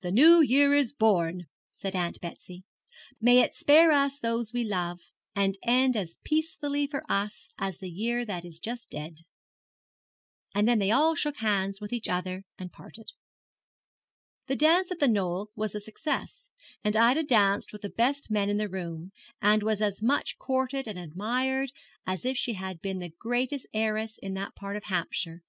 'The New Year is born,' said Aunt Betsy; 'may it spare us those we love, and end as peacefully for us as the year that is just dead.' And then they all shook hands with each other and parted. The dance at The Knoll was a success, and Ida danced with the best men in the room, and was as much courted and admired as if she had been the greatest heiress in that part of Hampshire.